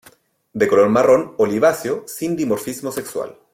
De color marrón oliváceo, sin dimorfismo sexual.